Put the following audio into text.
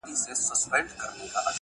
o ښکلا د دې؛ زما،